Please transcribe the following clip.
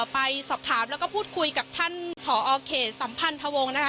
ไปสอบถามแล้วก็พูดคุยกับท่านผอเขตสัมพันธวงศ์นะคะ